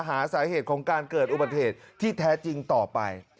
หาสาเหตุของการเกิดอุบัติเหตุที่แท้จริงต่อไป